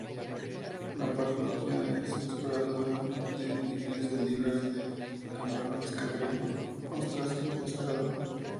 La parroquia es exportadora de millones de libras de camarones, cangrejos, ostras y pescado.